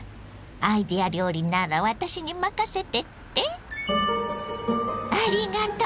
アイデア料理なら私に任せてって⁉ありがとう！